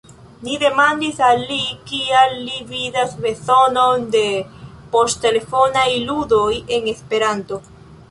Ni demandis al li, kial li vidas bezonon de poŝtelefonaj ludoj en Esperanto.